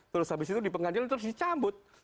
terus habis itu dipengadil terus dicambut